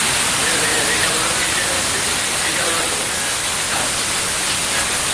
আমি ফাঁদে আটকা ইঁদুরের মতো হাঁসফাঁস করতাম।